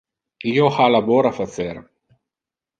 Io ha labor a facer.